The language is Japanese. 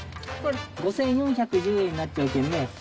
５４１０円になっちゅうけんね。